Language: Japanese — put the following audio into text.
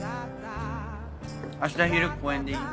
明日昼公園でいい？